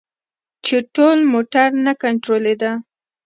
چې ټول موټر نه کنترولیده.